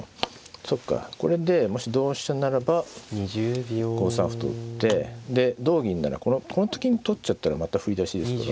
そっかこれでもし同飛車ならば５三歩と打ってで同銀ならこのと金取っちゃったらまた振り出しですから。